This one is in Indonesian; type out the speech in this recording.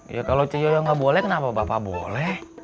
ya kalau coy gak boleh kenapa bapak boleh